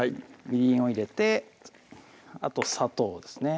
みりんを入れてあと砂糖ですね